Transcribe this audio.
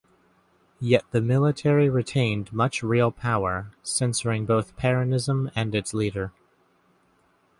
Yet the military retained much real power, censoring both Peronism and its leader.